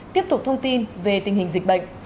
tiếp tục thông tin về tình hình dịch bệnh